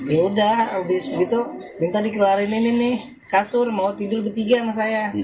ya udah habis begitu minta dikelarin ini nih kasur mau tidur bertiga sama saya